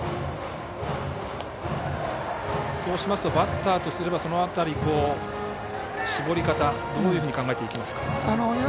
そうしますとバッターとすればその辺り、絞り方どういうふうに考えていきますか。